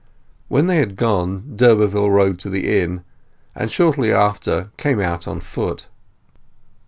When they had gone, d'Urberville rode to the inn, and shortly after came out on foot.